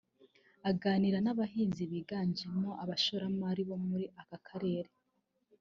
Aganira n’abahinzi biganjemo abashoramari bo muri aka Karere